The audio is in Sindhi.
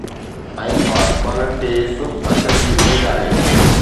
۽ فاسٽ بالز کي سست اچڻ جي اميد آهي